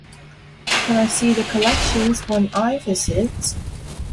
Can I see the collections when I visit?